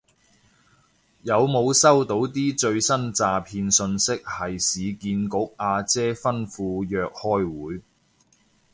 有冇收到啲最新詐騙訊息係市建局阿姐吩咐約開會